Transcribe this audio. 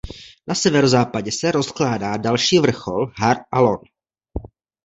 Na severozápadě se rozkládá další vrchol Har Alon.